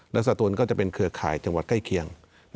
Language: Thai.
และสตูนก็จะเป็นเครือข่ายจังหวัดใกล้เคียง